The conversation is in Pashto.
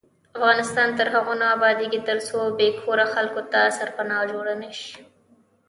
افغانستان تر هغو نه ابادیږي، ترڅو بې کوره خلکو ته سرپناه جوړه نشي.